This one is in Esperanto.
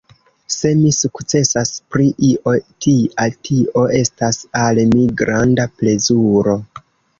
Se mi sukcesas pri io tia, tio estas al mi granda plezuro.